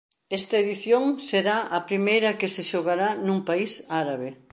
Esta edición será a primeira que se xogará nun país árabe.